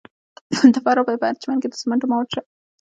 د فراه په پرچمن کې د سمنټو مواد شته.